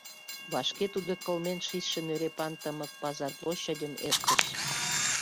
Вашке тудо кылмен шичше нӧрепан тымык пазар площадьым эртыш.